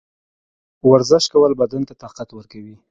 ورزش کول بدن ته طاقت ورکوي.